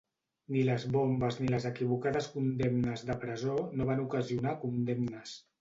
Ni les bombes ni les equivocades condemnes de presó no van ocasionar condemnes.